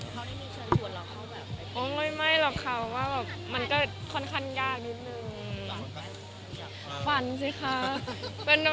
เขาได้มีชันส่วนหรอเขาแบบไม่หรอกค่ะมันก็ค่อนข้างยากนิดนึง